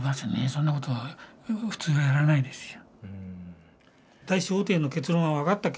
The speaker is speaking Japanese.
そんなことは普通はやらないですよ。